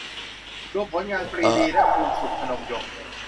รวมผลงาน ปรีดี และ พูนศุข พนมยงค์